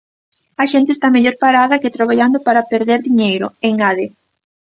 A xente está mellor parada que traballando para perder diñeiro, engade.